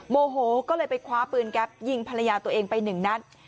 โมโหก็เลยไปคว้าปืนแก๊ปยิงภรรยาตัวเองไปหนึ่งนัด